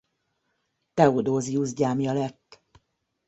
Theodosius gyámja lett.